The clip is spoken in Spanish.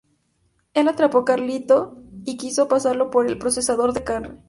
Él atrapó a Carlito y quiso pasarlo por el procesador de carne.